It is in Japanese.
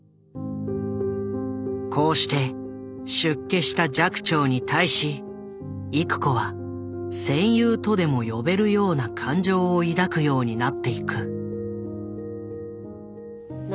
こうして出家した寂聴に対し郁子は戦友とでも呼べるような感情を抱くようになっていく。